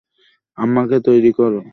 আম্মাকে তৈরি করো।